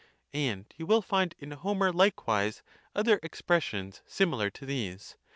And you will find in Homer likewise other expressions similar to these. [21.